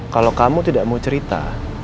kalau kamu tidak mau cerita